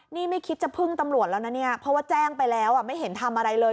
นี่ไม่คิดจะพึ่งตำรวจแล้วนะเนี่ยเพราะว่าแจ้งไปแล้วไม่เห็นทำอะไรเลย